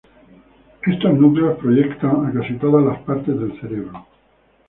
Estos núcleos proyectan a casi todas las partes del cerebro.